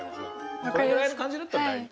これぐらいの感じだったら大丈夫？